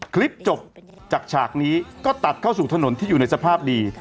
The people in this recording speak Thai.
คลิปจบจากฉากนี้ก็ตัดเข้าสู่ถนนที่อยู่ในสภาพดี